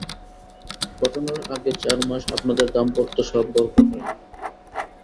ঘটনার আগে চারমাস আপনাদের দাম্পত্য সম্পর্ক হয়নি।